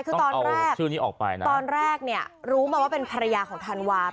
คือตอนแรกชื่อนี้ออกไปนะตอนแรกเนี่ยรู้มาว่าเป็นภรรยาของธันวา